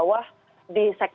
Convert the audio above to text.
dalam tanda kutip mengecilkan